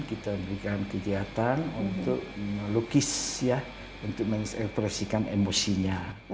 kita berikan kegiatan untuk melukis ya untuk mengepresikan emosinya